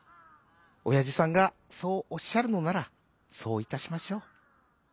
おやじさんがそうおっしゃるのならそういたしましょう」。